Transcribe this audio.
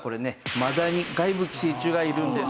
マダニ外部寄生虫がいるんです。